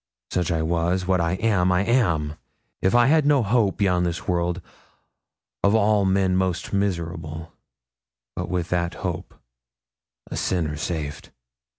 Such I was; what I am, I am. If I had no hope beyond this world, of all men most miserable; but with that hope, a sinner saved.'